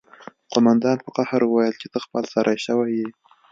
قومندان په قهر وویل چې ته خپل سری شوی یې